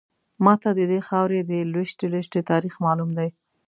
ماته ددې خاورې د لویشتې لویشتې تاریخ معلوم دی.